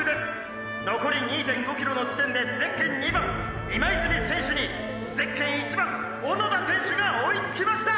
のこり２．５ｋｍの地点でゼッケン２番今泉選手にゼッケン１番小野田選手が追いつきました！！」。